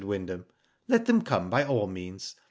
Wyndham. " Let them come by all means.